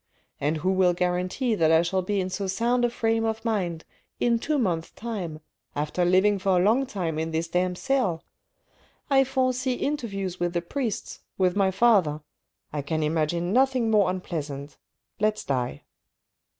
And who will guarantee that I shall be in so sound a frame of mind in two months' time, after living for a long time in this damp cell ? I foresee interviews with the priests, with my father. I can imagine nothing more unpleasant. Let's die."